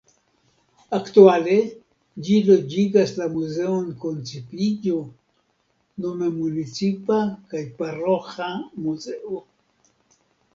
Aktuale ĝi loĝigas la Muzeon Koncipiĝo, nome municipa kaj paroĥa muzeo.